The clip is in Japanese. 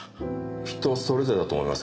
人それぞれだと思いますが。